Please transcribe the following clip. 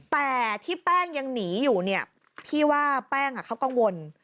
แต่ที่แป้งยังหนีอยู่เนี่ยพี่ว่าแป้งเขากังวล